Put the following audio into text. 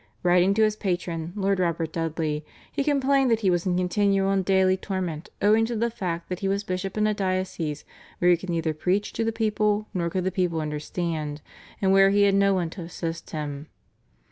Writing to his patron, Lord Robert Dudley, he complained that he was in continual and daily torment owing to the fact that he was bishop in a diocese where he could neither preach to the people nor could the people understand, and where he had no one to assist him.